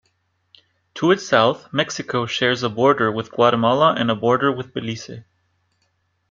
To its south, Mexico shares an border with Guatemala and a border with Belize.